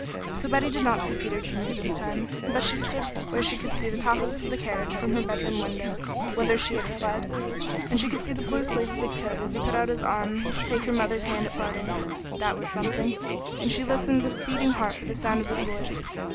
So Betty did not see Peter Junior this time, but she stood where she could see the top of the carriage from her bedroom window, whither she had fled, and she could see the blue sleeve of his coat as he put out his arm to take her mother's hand at parting. That was something, and she listened with beating heart for the sound of his voice.